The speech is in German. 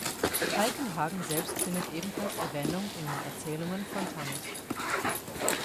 Falkenhagen selbst findet ebenfalls Erwähnung in den Erzählungen Fontanes.